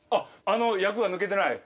あの役が抜けてない？